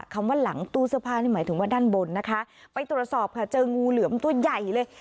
คำว่าหลังตู้เสื้อผ้านี่หมายถึงว่าด้านบนนะคะไปตรวจสอบค่ะเจองูเหลือมตัวใหญ่เลย